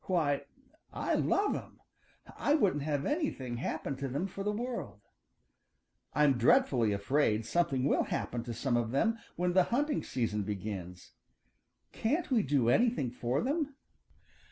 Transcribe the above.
Why I love 'em! I wouldn't have anything happen to them for the world. I'm dreadfully afraid something will happen to some of them when the hunting season begins. Can't we do anything for them?"